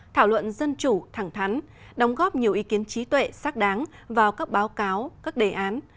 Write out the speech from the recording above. thảo luận dân chủ thẳng thắn đóng góp nhiều ý kiến trí tuệ xác đáng vào các báo cáo các đề án